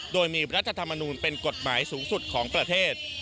โดยมีรัฐธรรมนูลเป็นกฎหมายสูงสุดของประเทศ